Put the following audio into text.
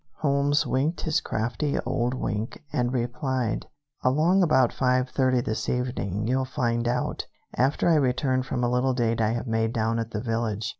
Holmes winked his crafty old wink, and replied: "Along about five thirty this evening you'll find out, after I return from a little date I have made down at the village.